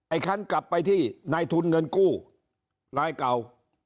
คันกลับไปที่นายทุนเงินกู้รายเก่า